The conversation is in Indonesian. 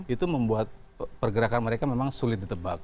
itu membuat pergerakan mereka memang sulit ditebak